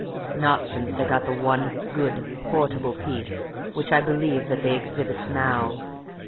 "Not since they got the one good, portable piece which I believe that they exhibit now.